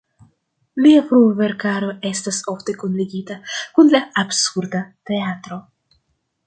Lia frua verkaro estas ofte kunligita kun la "Absurda Teatro".